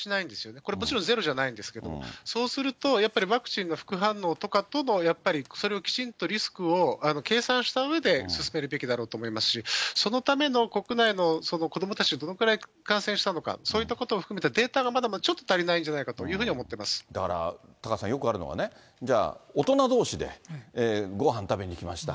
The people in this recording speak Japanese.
これもちろんゼロじゃないんですけれども、そうすると、やっぱりワクチンの副反応とかとの、やっぱりそれをきちんとリスクを計算したうえで進めるべきだろうと思いますし、そのための国内の子どもたち、どれくらい感染したのか、そういったことを含めてデータがまだまだちょっと足りないんじゃだからタカさん、よくあるのがね、じゃあ大人どうしでごはん食べに行きました。